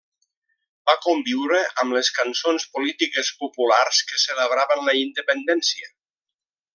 Va conviure amb les cançons polítiques populars que celebraven la independència.